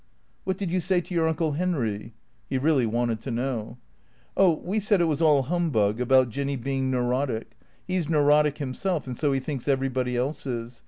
" What did you say to your Uncle Henry ?" He really wanted to know, " Oh, we said it was all humbug about Jinny being neurotic. He's neurotic himself and so he thinks everybody else is.